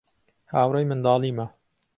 هاوڕێی منداڵیمە.